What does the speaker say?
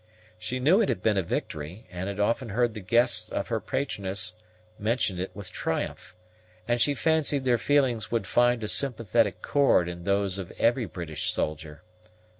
She knew it had been a victory, and had often heard the guests of her patroness mention it with triumph; and she fancied their feelings would find a sympathetic chord in those of every British soldier.